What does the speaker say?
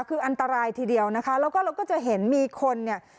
คืออันตรายทีเดียวนะคะแล้วก็เราก็จะเห็นมีคนเนี่ย